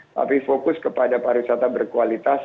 tapi fokus kepada pariwisata berkualitas